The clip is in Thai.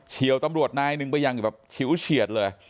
เฉียวตำรวจนายนึงไปยังแบบเฉียวเฉียดเลย